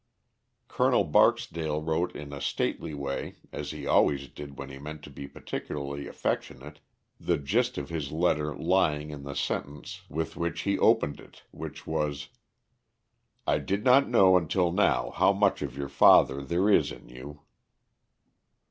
Col. Barksdale wrote in a stately way, as he always did when he meant to be particularly affectionate, the gist of his letter lying in the sentence with which he opened it, which was: "I did not know, until now, how much of your father there is in you."